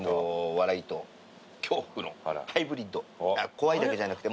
怖いだけじゃなくて。